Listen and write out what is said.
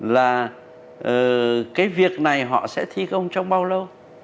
là cái việc này họ sẽ thi công trong bao lâu